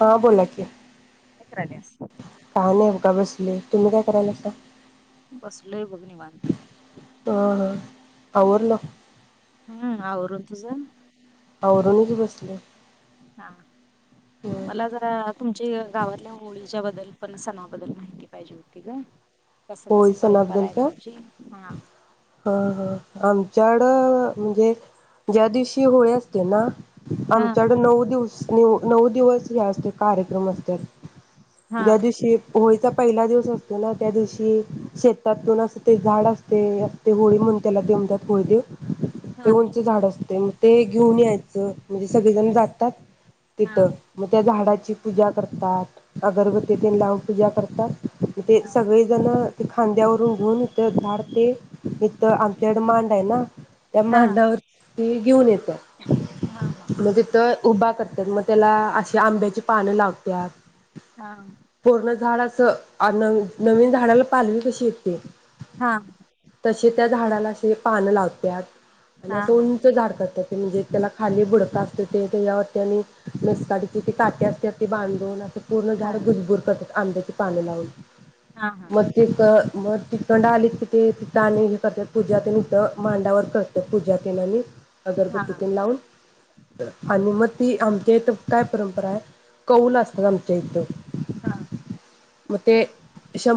हा बोला कि काय करायल्यास? काय नाही बगा बसले तुम्ही काय करायलायसा बसलोय बघ निवांत ह ह आवरलं हम्म आवरून तुझं आवरूनच बसले. हां हं मला जरा तुमच्या गावातल्या होळीच्या बद्दल पानसनाबद्दल माहिती पाहिजे होती ग कसं होळी कसं परंपरा सणाबद्दल आहे काय तुमची? हा हा हा आमच्याकडं म्हणजे ज्या दिवशी होळी असते ना हा आमच्याकडे नऊ दिवस नऊ नऊ दिवस हे असतय, कार्यक्रम असतोय. हा ज्या दिवशी होळीचा पहिला दिवस असतो ना त्या दिवशी कि शेतातून असं ते झाड असतय असते होळी म्हणून त्याला म्हणत्यात होळीदेव ते हा उंच झाड असतय म ते घेऊन यायचं म्हणजे सगळेजण जातात. तिथ हा मग त्या झाडा ची पूजा करतात, अगरबती तेन लावून पूजा करतात. तिथं ते हा. सगळी ते खांद्यावरून घेऊन इथ झाडं ते इथ आमच्याकड मांड आहे ना त्या हा हा मांडावर ती घेऊन येत हा हा मग तिथं उभा करतात मग त्याला अशी आंब्याची पान लावत्यात. हा पूर्ण झाड च आण नवीन झाडं झाडाला पालवी कशी येते? हा तसे त्या झाडाला असे पानं लावत्यात. आणि हा हा असं हा उंच झाडतात ते म्हणजे त्याला खाली बुडका असतो ते त्याच्यावरती आणि लसकाडीची ती काटी असते ती बांधून असं पूर्ण झाड हा भुरभुर करतय आंब्याची पानं लावून हा हा मग ते मग तिकडून आली कि तिथं आणि हे करतात पूजा ते इथं मांडावर करतात पूजा ते आणि हा अगरबत्ती तेन लावून आणि मग ती आमच्या इथं काय परंपरा आहे कौल असतात आमच्या इथंच हा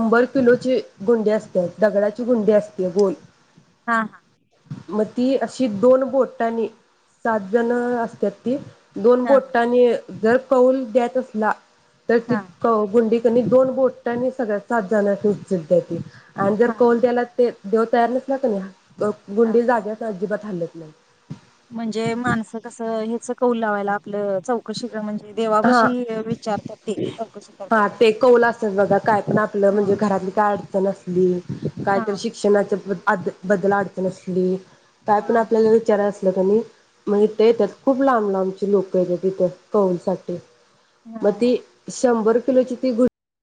शंभर किलो ची गुंडी असते दगडाची गुंडी असते गोल मग ती अशी दोन बोटानी सात जण असतात ती दोन हा बोटांनी जर कौल द्यायचा असला तर ती हा गुंडी आणि दोन बोटांनी सगळ्यात सात जणांना उचलतात आणि जर हा कौल द्यायला ते देव तयार नसला की नाही गुंडी हा. जाग्यावरून अजिबात हालत नाही म्हणजे माणसं कसं हेच कौल लावायला आपलं चौकशी म्हणजे हा देवापाशी विचारतात ते चौकशी करतात. हा ते कौल असतात बघा काय पण आपलं हा म्हणजे घरातली काय अडचण असली काय हा तरी शिक्षणाच्या प्रत्येक अभ्यासाबद्दल अडचण असली काय हा पण हा आपल्याला विचारायचं असलं [unintelligible] मग इथं येतात खूप लांब लांबचे. लोक येतात इथं कौल साठी मग हा हा ती शंभर [unintelligible]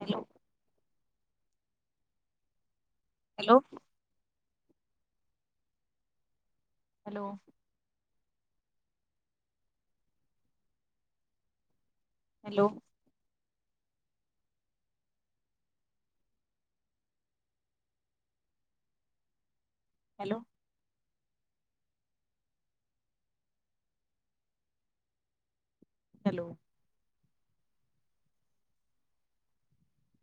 hello [unintelligible] hello hello hello hello hello